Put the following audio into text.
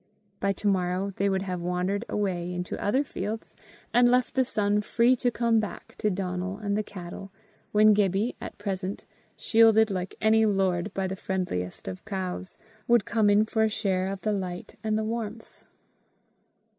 By to morrow they would have wandered away into other fields, and left the sun free to come back to Donal and the cattle, when Gibbie, at present shielded like any lord by the friendliest of cows, would come in for a share of the light and the warmth.